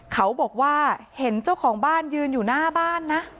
เขาบอกว่าเห็นเจ้าของบ้านยืนอยู่หน้าบ้านนะ